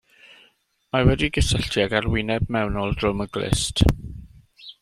Mae wedi'i gysylltu ag arwyneb mewnol drwm y glust.